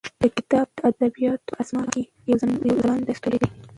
دا کتاب د ادبیاتو په اسمان کې یو ځلانده ستوری دی.